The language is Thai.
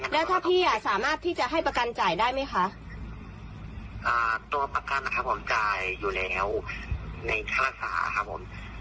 แล้วถ้าพี่อ่ะสามารถที่จะให้ประกันจ่ายได้ไหมคะตัวประกันนะครับผมจ่ายอยู่แล้วในค่ารักษาครับผม